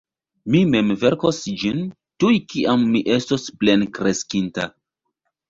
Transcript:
Mi mem verkos ĝin, tuj kiam mi estos plenkreskinta.